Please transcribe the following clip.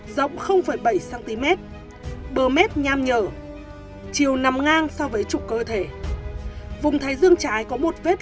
rộng bảy cm bờ mép nham nhở chiều nằm ngang so với trục cơ thể vùng thái dương trái có một vết